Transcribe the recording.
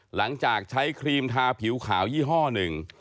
หลังจากใช้ครีมทาผิวขาวยี่ห้อหนึ่ง